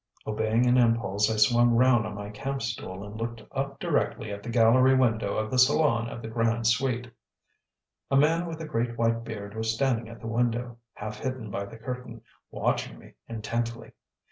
Obeying an impulse, I swung round on my camp stool and looked up directly at the gallery window of the salon of the "Grande Suite." A man with a great white beard was standing at the window, half hidden by the curtain, watching me intently.